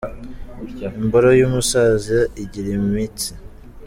imboro y'umusaza igira imitsi